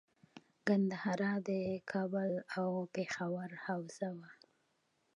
ګندهارا د کابل او پیښور حوزه وه